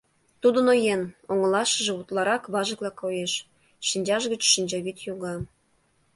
Тудо ноен, оҥылашыже утларак важыкла коеш, шинчаж гыч шинчавӱд йога.